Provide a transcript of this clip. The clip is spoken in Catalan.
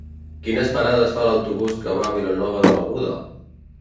Quines parades fa l'autobús que va a Vilanova de l'Aguda?